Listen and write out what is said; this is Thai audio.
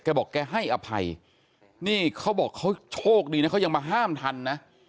บอกแกให้อภัยนี่เขาบอกเขาโชคดีนะเขายังมาห้ามทันนะ